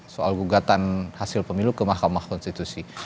soal gugatan hasil pemilu ke mahkamah konstitusi